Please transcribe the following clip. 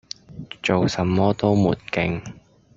做什麼都沒勁